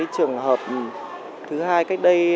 trường hợp thứ hai cách đây